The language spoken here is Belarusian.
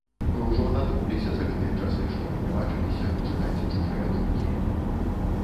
Вы ўжо надумаліся за гэтыя часы, што мы не бачыліся, чытаць чужыя думкі?